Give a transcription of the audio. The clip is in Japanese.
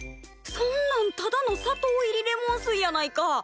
そんなんただの砂糖入りレモン水やないか。